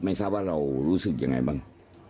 ไม่ทราบว่าเรารู้สึกอย่างไรบ้าง